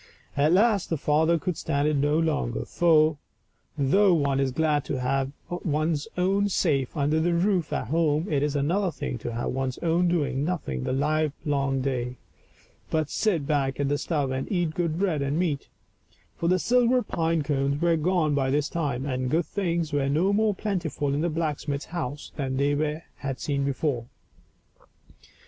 At last the father could stand it no longer, for, though one is glad to have one's own safe under the roof at home, it is another thing to have one's own doing nothing the livelong day but sit back of the stove and eat good bread and meat ; for the silver pine cones were gone by this time, and good things were no more plentiful in the blacksmith's house than they had been before.